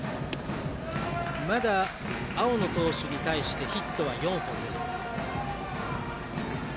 まだ、青野投手に対してヒットは４本です。